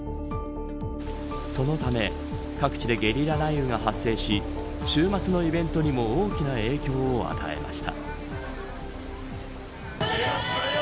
そのため各地でゲリラ雷雨が発生し週末のイベントにも大きな影響を与えました。